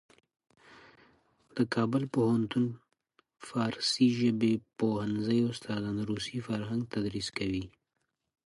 د کابل پوهنتون فارسي ژبې پوهنځي استادان روسي فرهنګ تدریس کوي.